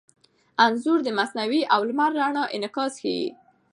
انځور د مصنوعي او لمر رڼا انعکاس ښيي.